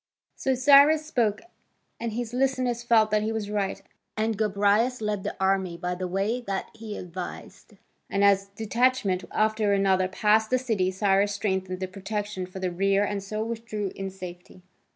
So Cyrus spoke, and his listeners felt that he was right, and Gobryas led the army by the way that he advised. And as one detachment after another passed the city, Cyrus strengthened the protection for the rear and so withdrew in safety.